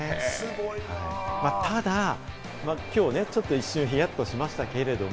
ただ今日ね、ちょっと一瞬、ひやっとしましたけど。